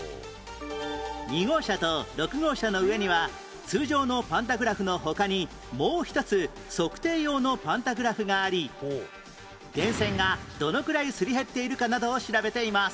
２号車と６号車の上には通常のパンタグラフの他にもう一つ測定用のパンタグラフがあり電線がどのくらいすり減っているかなどを調べています